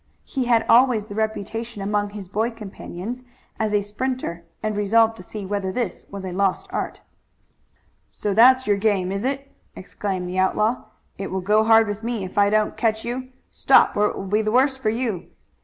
He had always the reputation among his boy companions as a sprinter, and resolved to see whether this was a lost art. "So that's your game, is it?" exclaimed the outlaw. "It will go hard with me if I don't catch you. Stop, or it will be the worse for you!"